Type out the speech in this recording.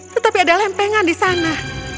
tetapi ada lempengan di sana